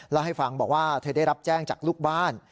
แล้วให้ฟังบอกว่าเธอได้รับแจ้งจากลูกบ้าน